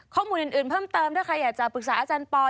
ข้อมูลอื่นเพิ่มเติมถ้าใครอยากจะปรึกษาอาจารย์ปอล